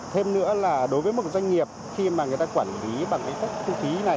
thêm nữa là đối với một doanh nghiệp khi mà người ta quản lý bằng cái cách thu phí này